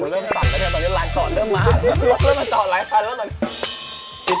กูเริ่มสั่นเริ่มมาต่อกลายยี่สิบ